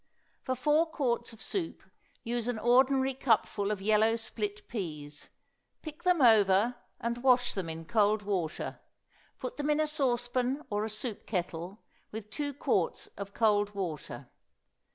For four quarts of soup use an ordinary cupful of yellow split peas; pick them over and wash them in cold water, put them in a saucepan or a soup kettle with two quarts of cold water.